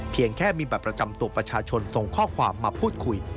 เพียงแค่มีบัตรประจำตัวประชาชนส่งข้อความมาพูดคุย